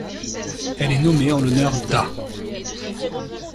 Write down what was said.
Elle est nommée en l'honneur d'A.